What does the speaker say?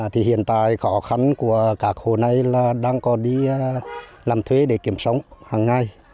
thì hiện tại khó khăn của các hồ này là đang còn đi làm thuê để kiếm sống hàng ngày